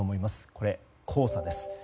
これ、黄砂です。